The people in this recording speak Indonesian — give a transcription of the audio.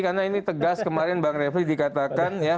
karena ini tegas kemarin bang refli dikatakan ya